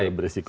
ya itu beresiko